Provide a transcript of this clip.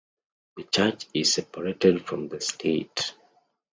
The church is separated from the state.